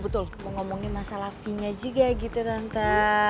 mau ngomongin masalah v nya juga gitu tante